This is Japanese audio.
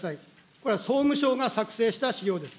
これは総務省が作成した資料です。